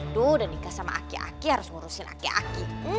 aduh udah nikah sama aki aki harus ngurusin aki aki